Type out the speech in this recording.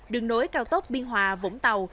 đường nối cao tốc biên hòa vũng tàu